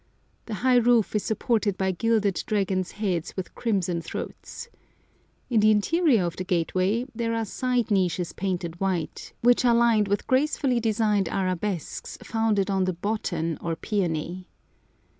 The high roof is supported by gilded dragons' heads with crimson throats. In the interior of the gateway there are side niches painted white, which are lined with gracefully designed arabesques founded on the botan or peony.